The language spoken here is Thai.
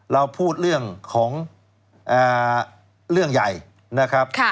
เราพูดเรื่องของเรื่องใหญ่นะครับ